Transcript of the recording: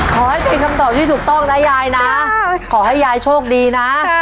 ขอให้เป็นคำตอบที่ถูกต้องนะยายนะขอให้ยายโชคดีนะ